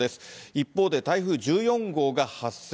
一方で、台風１４号が発生。